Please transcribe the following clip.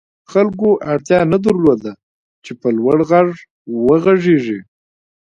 خلکو اړتیا نه درلوده چې په لوړ غږ وغږېږي